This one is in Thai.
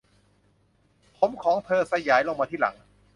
ผมของเธอสยายลงมาที่หลัง